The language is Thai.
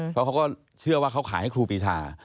เพราะเขาก็เชื่อว่าเขาขายให้ครูปีชา